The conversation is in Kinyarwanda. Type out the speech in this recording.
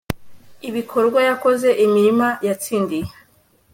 Ibikorwa yakoze imirima yatsindiye